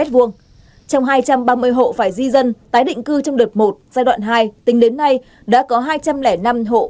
trong hai trăm ba mươi hộ phải di dân tái định cư trong đợt một giai đoạn hai tính đến nay đã có hai trăm linh năm hộ